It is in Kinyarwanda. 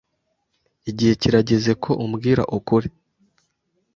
Igihe kirageze ko ubwira ukuri.